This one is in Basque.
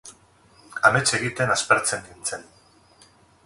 Amets egiten aspertzen nintzen.